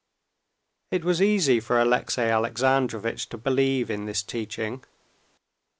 It was easy for Alexey Alexandrovitch to believe in this teaching.